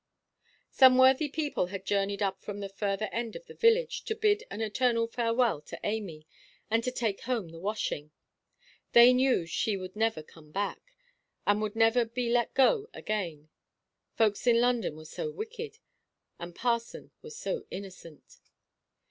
Some worthy people had journeyed up from the further end of the village, to bid an eternal farewell to Amy, and to take home the washing. They knew she would never come back again; she would never be let go again; folks in London were so wicked, and parson was so innocent.